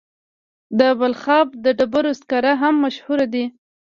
د بلخاب د ډبرو سکاره هم مشهور دي.